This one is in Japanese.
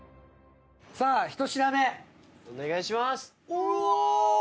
ひと品目、お願いします。